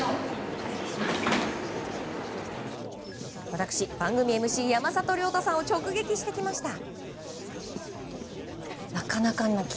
私、番組ＭＣ山里良太さんを直撃してきました。